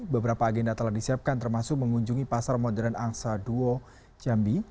beberapa agenda telah disiapkan termasuk mengunjungi pasar modern angsa duo jambi